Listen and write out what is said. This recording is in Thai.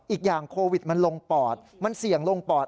อีกอย่างโควิดมันลงปอดมันเสี่ยงลงปอด